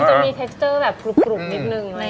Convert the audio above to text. มันจะมีเทคเตอร์แบบปรุบนิดนึงเลยนะ